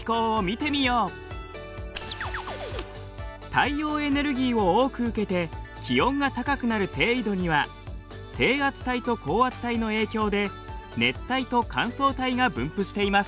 太陽エネルギーを多く受けて気温が高くなる低緯度には低圧帯と高圧帯の影響で熱帯と乾燥帯が分布しています。